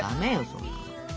そんなの。